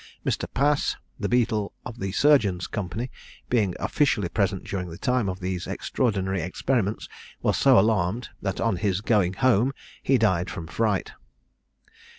Mr. Pass, the beadle of the Surgeons' Company, being officially present during the time of these extraordinary experiments, was so alarmed, that on his going home he died from fright.